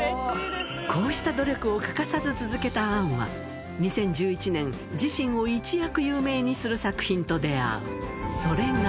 こうした努力を欠かさず続けた杏は、２０１１年、自身を一躍有名にする作品と出会う。